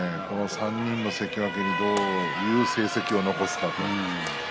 ３人の関脇にどういう成績を残すかと。